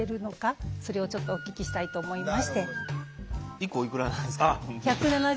１個おいくらなんですか？